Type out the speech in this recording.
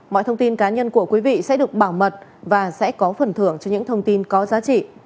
mọi thông tin cá nhân của quý vị sẽ được bảo mật và sẽ có phần thưởng cho những thông tin có giá trị